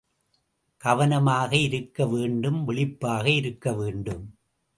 கவனமாக இருக்க வேண்டும் விழிப்பாக இருக்க வேண்டும்.